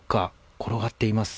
転がっています。